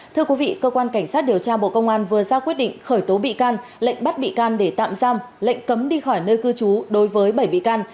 thưa quý vị cơ quan cảnh sát điều tra bộ công an vừa ra quyết định khởi tố bị can lệnh bắt bị can để tạm giam lệnh cấm đi khỏi nơi cư trú đối với bảy bị can